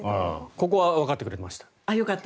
ここはわかってくれました。